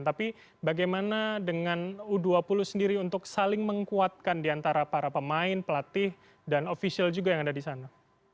tapi bagaimana dengan u dua puluh sendiri untuk saling mengkuatkan diantara para pemain pelatih dan ofisial juga yang ada di sana